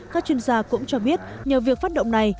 các chuyên gia cũng cho biết nhờ việc phát động này